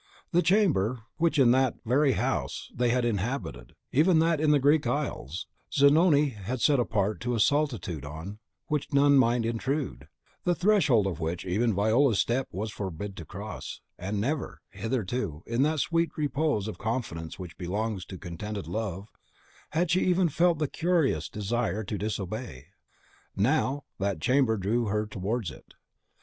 The chamber which, in that and every house they had inhabited, even that in the Greek isles, Zanoni had set apart to a solitude on which none might intrude, the threshold of which even Viola's step was forbid to cross, and never, hitherto, in that sweet repose of confidence which belongs to contented love, had she even felt the curious desire to disobey, now, that chamber drew her towards it.